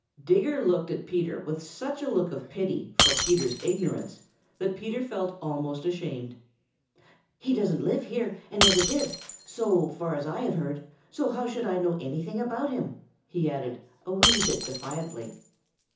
Digger looked at Peter with such a look of pity for Peter's ignorance that Peter felt almost ashamed. "He doesn't live here and never did, so far as I have heard, so how should I know anything about him?" he added a wee bit defiantly.